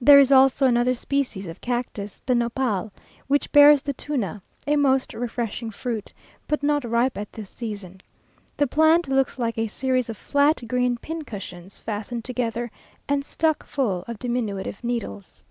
There is also another species of cactus, the nopal, which bears the tuna, a most refreshing fruit, but not ripe at this season. The plant looks like a series of flat green pin cushions fastened together, and stuck full of diminutive needles.